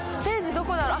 どこだろう？